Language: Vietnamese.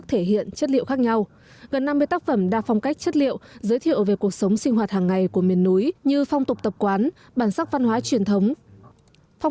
thì nguy cơ bệnh sẽ nặng hơn